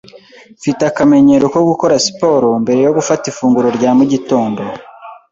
Mfite akamenyero ko gukora siporo mbere yo gufata ifunguro rya mu gitondo.